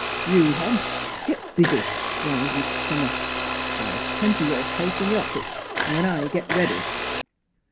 " You, Hobbs, get busy," growled Mr. Trim mer. " I'll 'tend to your case in the office, when I get ready."